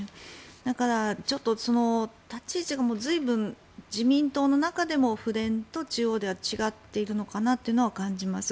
だから、ちょっと立ち位置が随分、自民党の中でも府連と中央では違っているのかなというのは感じます。